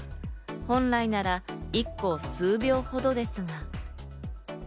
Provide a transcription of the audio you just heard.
本来なら１個数秒ほどですが。